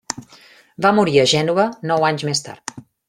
Va morir a Gènova nou anys més tard.